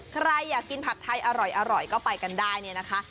ใครอยากกินผัดไทยอร่อยก็ไปกันได้เนี่ยนะคะ